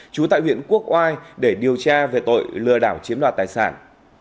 chú tại viện quốc oai để điều tra về tội lừa đảo chiếm đoạt tài sản